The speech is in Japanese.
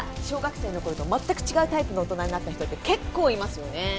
小学生の頃と全く違うタイプの大人になった人って結構いますよね？